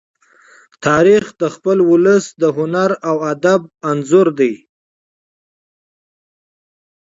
تاریخ د خپل ولس د هنر او ادب انځور دی.